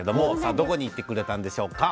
どこに行ってきてくれたんでしょうか。